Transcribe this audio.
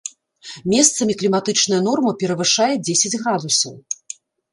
Месцамі кліматычная норма перавышае дзесяць градусаў.